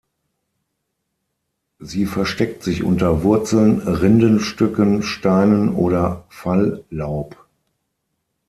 Sie versteckt sich unter Wurzeln, Rindenstücken, Steinen oder Falllaub.